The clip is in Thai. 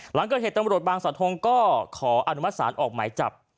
หลังเกิดเหตุตำรวจบางสะทงก็ขออนุมัติศาลออกหมายจับ